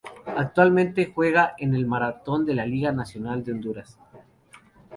Actualmente juega en el Marathón de la Liga Nacional de Honduras.